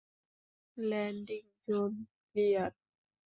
Landing zone clear!